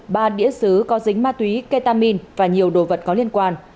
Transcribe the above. hai điện tử ba đĩa xứ có dính ma túy ketamin và nhiều đồ vật có liên quan